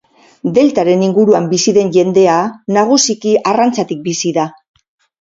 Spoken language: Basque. Deltaren inguruan bizi den jendea, nagusiki arrantzatik bizi da.